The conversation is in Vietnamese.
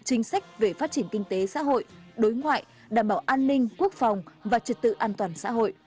chính sách về phát triển kinh tế xã hội đối ngoại đảm bảo an ninh quốc phòng và trật tự an toàn xã hội